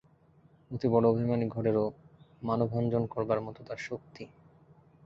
অতিবড়ো অভিমানী ঘরেরও মানভঞ্জন করবার মতো তার শক্তি।